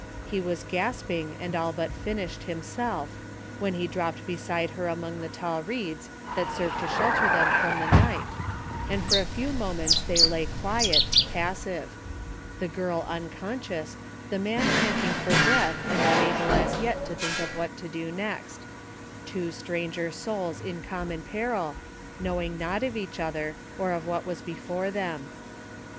He was gasping and all but finished, himself, when he dropped beside her among the tall reeds that served to shelter them from the night, and for a few moments they lay quiet, passive; the girl imconscious, the man panting for breath and unable as yet to think what to do next ; two stranger souls in common peril, knowing naught of each other or of what was before them.